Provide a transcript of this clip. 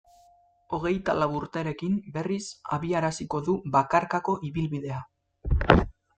Hogeita lau urterekin, berriz, abiaraziko du bakarkako ibilbidea.